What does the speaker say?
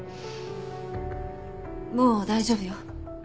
もう大丈夫よ。